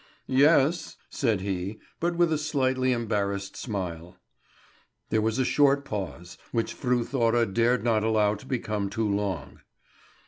"Ye es," said he; but with a slightly embarrassed smile. There was a short pause, which Fru Thora dared not allow to become too long.